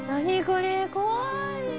これ怖い。